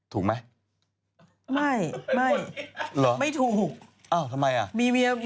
เพราะมีเงินมากจึงมีเมียหลายคน